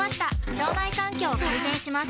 腸内環境を改善します